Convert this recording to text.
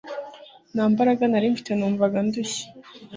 ntambaraga nari mfite numvaga ndushye